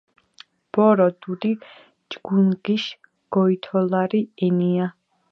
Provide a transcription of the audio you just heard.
ბორო დუდი ჯგუნჯგიშ გიოთოლარი ენია